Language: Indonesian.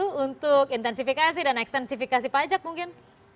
pak hestu untuk intensifikasi dan ekstensifikasi pajak mungkin